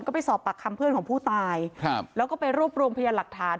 ก็ไปสอบปากคำเพื่อนของผู้ตายครับแล้วก็ไปรวบรวมพยานหลักฐาน